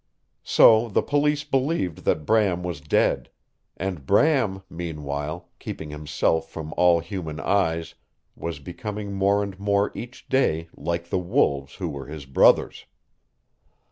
So the Police believed that Bram was dead; and Bram, meanwhile, keeping himself from all human eyes, was becoming more and more each day like the wolves who were his brothers.